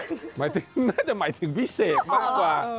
ก็น่าจะเป็นพี่เปิ้ลน่าจะหมายถึงพี่เสกมากกว่า